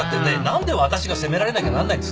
何で私が責められなきゃなんないんですか？